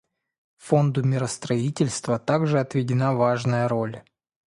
Фонду миростроительства также отведена важная роль.